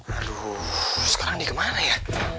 aduh sekarang ini kemana ya